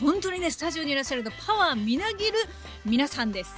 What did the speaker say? スタジオにいらっしゃるパワーみなぎる皆さんです。